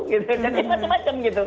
jadi macam macam gitu